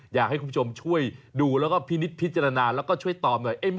อยากให้คุณผู้ชมช่วยดูแล้วก็พินิษฐพิจารณาแล้วก็ช่วยตอบหน่อย